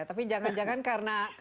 tapi jangan jangan karena